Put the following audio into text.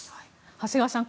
長谷川さん